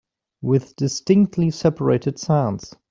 With distinctly separated sounds